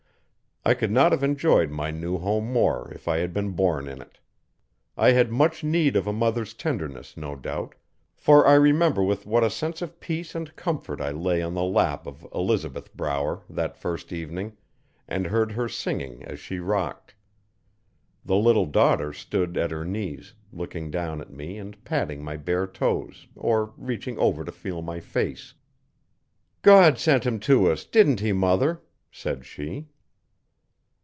I could not have enjoyed my new home more if I had been born in it. I had much need of a mother's tenderness, no doubt, for I remember with what a sense of peace and comfort I lay on the lap of Elizabeth Brower, that first evening, and heard her singing as she rocked. The little daughter stood at her knees, looking down at me and patting my bare toes or reaching over to feel my face. 'God sent him to us didn't he, mother?' said she.